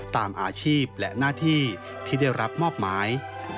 ตามอาชีพและหน้าที่ที่ได้รับมอบหมาย